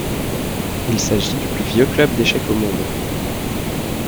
Il s’agit du plus vieux club d’échecs au monde.